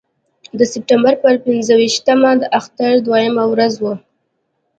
د سپټمبر پر پنځه ویشتمه اختر دویمه ورځ وه.